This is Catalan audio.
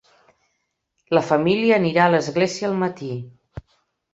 La família anirà a l'església al matí.